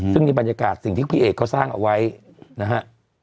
ซึ่งนี่บรรยากาศสิ่งที่พี่เอกเขาสร้างเอาไว้นะฮะ